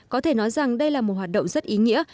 có thể nói rằng đây là một hoạt động rất ý nghĩa